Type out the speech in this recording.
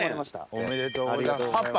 おめでとうございますパパ。